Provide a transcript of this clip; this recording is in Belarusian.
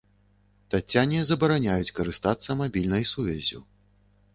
Таццяне забараняюць карыстацца мабільнай сувяззю.